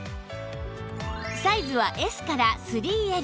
サイズは Ｓ から ３Ｌ